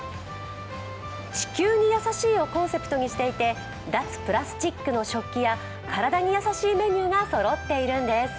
地球に優しいをコンセプトにしていて、脱プラスチックの食器や体に優しいメニューがそろっているんです。